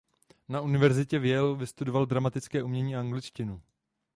Na Univerzitě v Yale vystudoval dramatické umění a angličtinu.